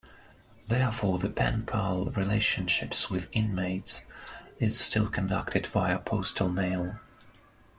Therefore the pen pal relationships with inmates is still conducted via postal mail.